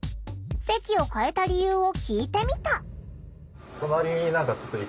席を替えた理由を聞いてみた。